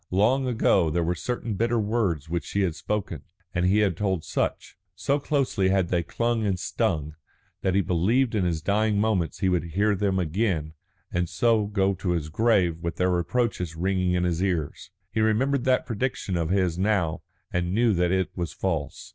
Long ago there were certain bitter words which she had spoken, and he had told Sutch, so closely had they clung and stung, that he believed in his dying moments he would hear them again and so go to his grave with her reproaches ringing in his ears. He remembered that prediction of his now and knew that it was false.